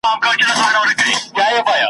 د وینا اصلي موضوع ,